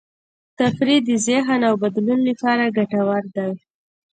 تفریح د ذهن او بدن لپاره ګټور دی.